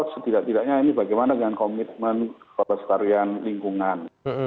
setidak tidaknya ini bagaimana dengan komitmen pelestarian lingkungan